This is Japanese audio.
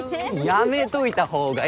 やめといた方がいい。